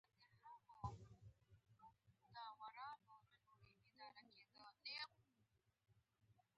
هغه اوس په اسماس کې له مجاهدینو سره دی.